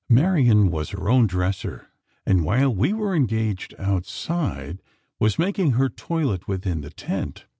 Marian was her own "dresser;" and while we were engaged outside, was making her toilet within the tent.